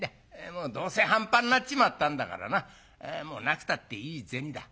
もうどうせ半端になっちまったんだからなもうなくたっていい銭だ。